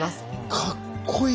かっこいい。